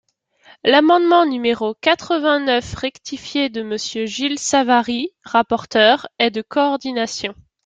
L’amendement numéro quatre-vingt-neuf rectifié de Monsieur Gilles Savary, rapporteur, est de coordination.